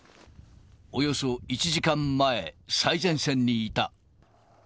およそ１時間前、最前線にいた。